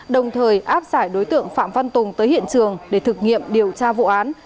đồng thời áp giải đối tượng phạm văn tùng tới hiện trường để thực nghiệm điều tra vụ án